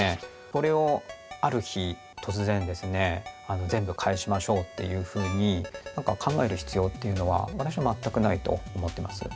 それをある日突然ですね全部返しましょうっていうふうに何か考える必要っていうのは私は全くないと思ってます。